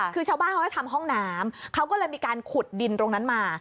คือชาวบ้านเขาจะทำห้องน้ำเขาก็เลยมีการขุดดินตรงนั้นมา